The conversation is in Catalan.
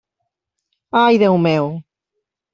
Ai, Déu meu!